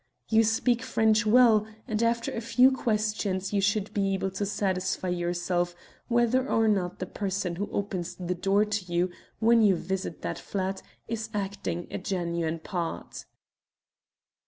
You speak French well, and after a few questions you should be able to satisfy yourself whether or not the person who opens the door to you when you visit that flat is acting a genuine part.